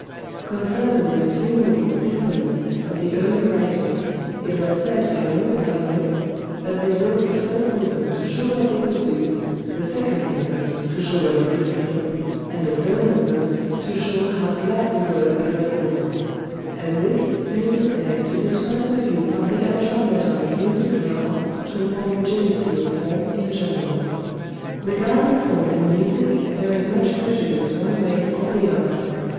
Concerning this three movement symphony of the early writers, it was said by an old time wit that they wrote the first movement to show what they could do, the second movement to show what they could feel, and the third movement to show how glad they were it was over and this may be said to describe the view of the ultra modern music lover toward rigidity of form in general. Regarding form in music there is much prejudice one way or the other.